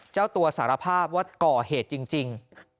เจ้าตัวสารภาพว่าก่อเหตุจริง